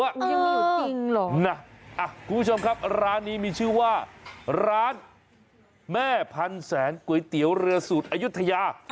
ยังมีอยู่จริงเหรอนะคุณผู้ชมครับร้านนี้มีชื่อว่าร้านแม่พันแสนก๋วยเตี๋ยวเรือสูตรอายุทยา